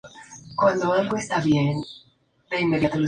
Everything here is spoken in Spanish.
Irving sospechó que había sido víctima de un acto ilegal.